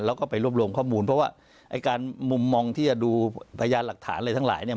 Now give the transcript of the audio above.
แล้วก็ไปรวบรวมข้อมูลเพราะว่าไอ้การมุมมองที่จะดูพยานหลักฐานอะไรทั้งหลายเนี่ย